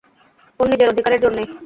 ওঁর নিজের অধিকারের জোর নেই।